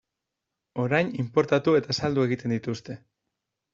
Orain inportatu eta saldu egiten dituzte.